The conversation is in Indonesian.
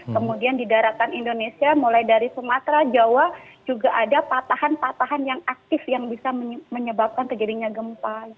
kemudian di daratan indonesia mulai dari sumatera jawa juga ada patahan patahan yang aktif yang bisa menyebabkan terjadinya gempa